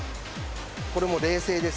これも冷静です。